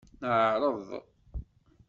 Neɛreḍ.